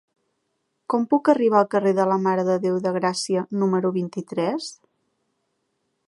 Com puc arribar al carrer de la Mare de Déu de Gràcia número vint-i-tres?